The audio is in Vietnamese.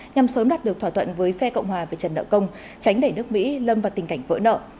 nhằm sớm đạt được thỏa thuận với phe cộng hòa về trần nợ công tránh đẩy nước mỹ lâm vào tình cảnh vỡ nợ